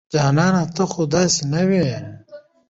جانانه ته خو داسې نه وې